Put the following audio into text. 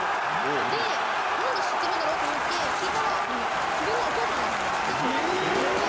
で、なんで知ってるんだろうと思って、聞いたら、自分のお父さんだったんですね、それが。